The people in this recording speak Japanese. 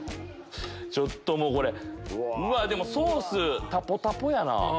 ちょっともうこれうわっソースタポタポやな。